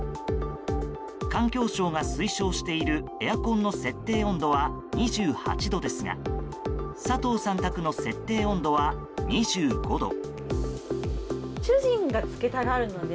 環境省が推奨しているエアコンの設定温度は２８度ですが佐藤さん宅の設定温度は２５度。